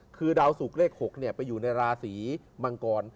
คือดาวสุกเลข๖ไปอยู่ในราศีมังกร